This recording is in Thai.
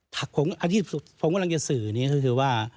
ที่ฟังกำลังจะสื่อเนี่ยคือว่า